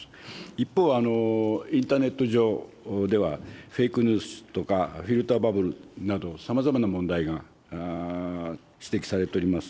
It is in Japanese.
一方、インターネット上では、フェイクニュースとかフィルターバブルなど、さまざまな問題が指摘されております。